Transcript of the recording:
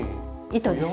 糸です。